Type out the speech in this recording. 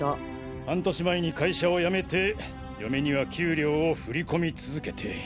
半年前に会社を辞めて嫁には給料を振り込み続けて。